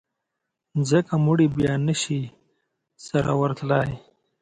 ځکه مړي بیا نه شي سره ورتلای.